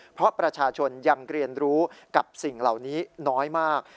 เพราะประชาชนยังเรียนรู้กับสิ่งเหล่านี้น้อยมาก